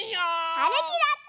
はるきだって！